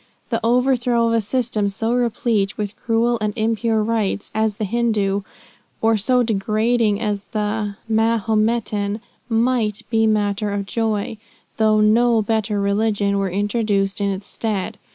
The overthrow of a system so replete with cruel and impure rites, as the Hindoo, or so degrading as the Mahometan, might be matter of joy, though no better religion were introduced in its stead.